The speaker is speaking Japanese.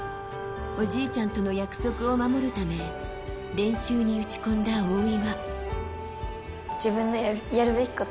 おじいちゃんとの約束を守るため練習に打ち込んだ大岩。